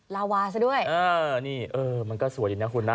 ลาวาซะด้วยเออนี่เออมันก็สวยดีนะคุณนะ